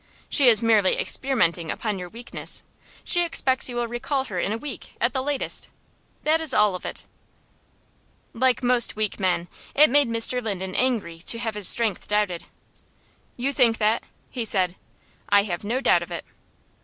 She is merely experimenting upon your weakness. She expects you will recall her in a week, at the latest. That is all of it." Like most weak men, it made Mr. Linden angry to have his strength doubted. "You think that?" he said. "I have no doubt of it."